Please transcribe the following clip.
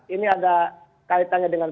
ini ada kaitannya dengan